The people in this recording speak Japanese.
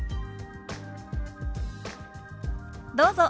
どうぞ。